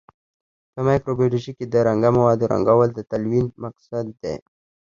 په مایکروبیولوژي کې د رنګه موادو رنګول د تلوین مقصد دی.